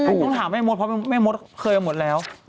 ผมต้องถามแม่มดเพราะแม่มดเคยมาหมดแล้ว